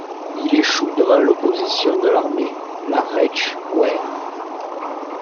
Il échoue devant l'opposition de l'armée, la Reichswehr.